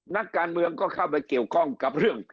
นักการเมืองก็เข้าไปเกี่ยวข้องกับเรื่อง